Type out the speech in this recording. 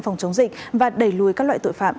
phòng chống dịch và đẩy lùi các loại tội phạm